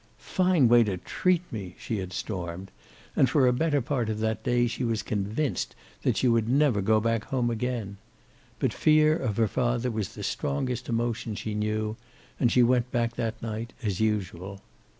"Fine way to treat me!" she had stormed, and for a part of that day she was convinced that she would never go back home again. But fear of her father was the strongest emotion she knew, and she went back that night, as usual.